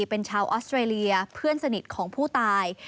เป็นชาวออสเตรเลียเพื่อนสนิทของผู้ตาย